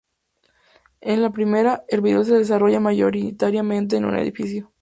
En la primera, el video se desarrolla mayoritariamente en un edificio.